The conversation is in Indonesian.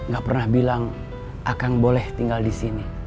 gak pernah bilang akan boleh tinggal di sini